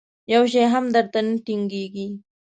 یو شی هم در ته نه ټینګېږي.